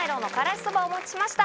お持ちしました。